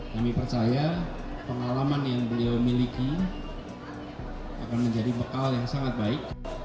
kami percaya pengalaman yang beliau miliki akan menjadi bekal yang sangat baik